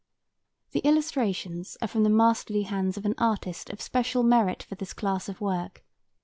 _ The illustrations are from the masterly hands of an artist of special merit for this class of work.